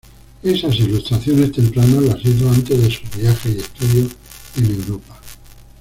Esas ilustraciones tempranas las hizo antes de sus viajes y estudios en Europa.